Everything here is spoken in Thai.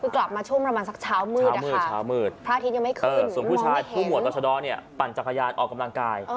กลับมาช่วงประมาณสักเช้ามืดพระอาทิตย์ยังไม่ขึ้นส่วนผู้ชายผู้หัวตัวชะด้อนปั่นจังขยานออกกำลังกาย